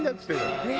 ねえ！